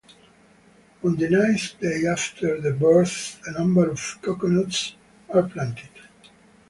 On the ninth day after the birth a number of coconuts are planted.